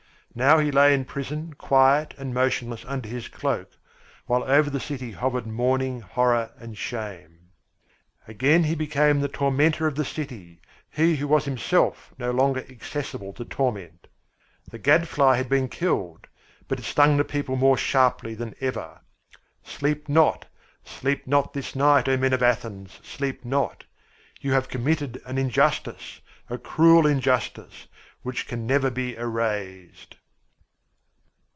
Now he lay in the prison quiet and motionless under his cloak, while over the city hovered mourning, horror, and shame. Again he became the tormentor of the city, he who was himself no longer accessible to torment. The gadfly had been killed, but it stung the people more sharply than ever sleep not, sleep not this night, O men of Athens! Sleep not! You have committed an injustice, a cruel injustice, which can never be erased!